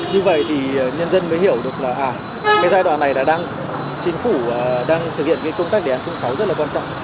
như vậy thì nhân dân mới hiểu được là cái giai đoạn này là đang chính phủ đang thực hiện cái công tác đề án sáu rất là quan trọng